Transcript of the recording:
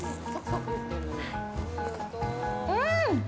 うん！